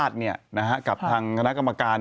ที่นครศรีธรรมราช